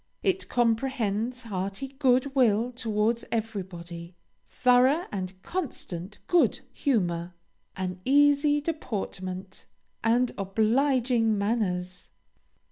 It comprehends hearty good will towards everybody, thorough and constant good humor, an easy deportment, and obliging manners.